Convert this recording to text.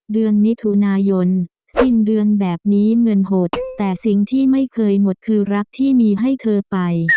เดือนมิถุนายนสิ้นเดือนแบบนี้เงินหดแต่สิ่งที่ไม่เคยหมดคือรักที่มีให้เธอไป